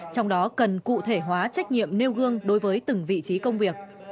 trong đó cần cụ thể hóa trách nhiệm nêu gương đối với từng vị trí công việc